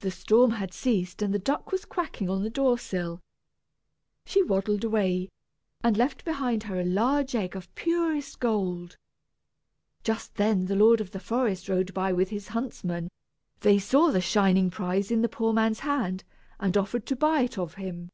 The storm had ceased and the duck was quacking on the door sill. She waddled away, and left behind her a large egg of purest gold. Just then the lord of the forest rode by with his huntsman. They saw the shining prize in the poor man's hand, and offered to buy it of him.